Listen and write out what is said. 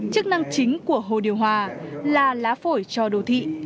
chức năng chính của hồ điều hòa là lá phổi cho đô thị